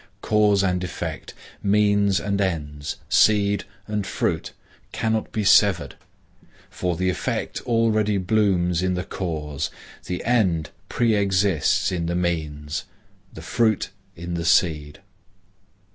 Cause and effect, means and ends, seed and fruit, cannot be severed; for the effect already blooms in the cause, the end preexists in the means, the fruit in the seed.